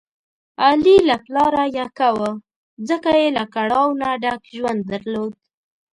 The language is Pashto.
علي له پلاره یکه و، ځکه یې له کړاو نه ډک ژوند درلود.